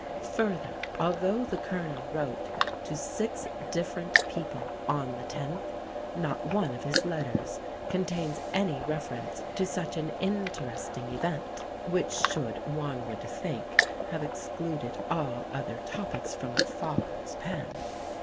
Further, although the Colonel wrote to six different people on the 10th not one of his letters contains any reference to such an interesting event, which should, one would think, have excluded all other topics from a father's pen.